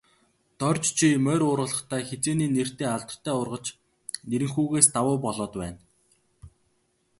Дорж чи морь уургалахдаа, хэзээний нэртэй алдартай уургач Нэрэнхүүгээс давуу болоод байна.